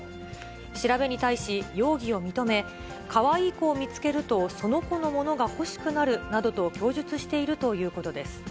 調べに対し、容疑を認め、かわいい子を見つけると、その子のものが欲しくなるなどと供述しているということです。